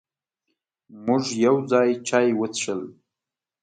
مونږ یو ځای چای وڅښل.